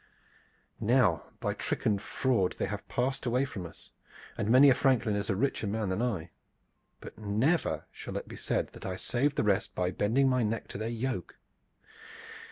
Now, by trick and fraud, they have passed away from us, and many a franklin is a richer man than I; but never shall it be said that I saved the rest by bending my neck to their yoke.